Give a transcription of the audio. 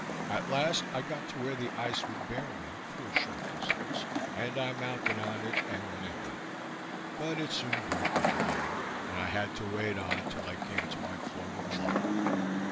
At last I got to where the ice would bear me for a short distance, and I mounted on it, and went ahead; but it soon broke in again, and I had to wade on till I came to my floating log.